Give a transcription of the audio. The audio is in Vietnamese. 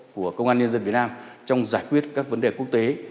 của công an nhân dân việt nam trong giải quyết các vấn đề quốc tế